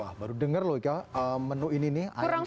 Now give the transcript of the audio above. wah baru dengar loh menu ini nih